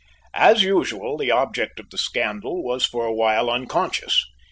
As usual, the object of the scandal was for a while unconscious.